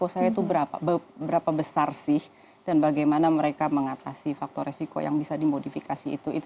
mereka bisa menghitung sebenarnya fakta resiko saya itu berapa berapa besar sih dan bagaimana mereka mengatasi faktor resiko yang bisa dimodifikasi itu